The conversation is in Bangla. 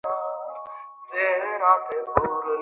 আমাকে স্পর্শ করবেন না।